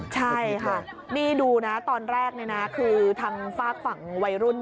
ใช่ค่ะนี่ดูนะตอนแรกคือทางฝากฝั่งวัยรุ่น